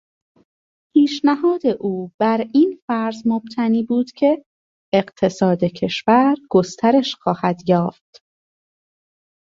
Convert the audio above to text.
پیشنهاد او بر این فرض مبتنی بود که اقتصاد کشور گسترش خواهد یافت.